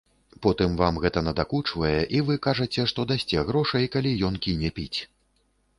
Потым вам гэта надакучвае, і вы кажаце, што дасце грошай, калі ён кіне піць.